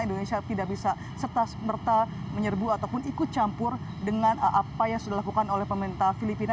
indonesia tidak bisa serta merta menyerbu ataupun ikut campur dengan apa yang sudah dilakukan oleh pemerintah filipina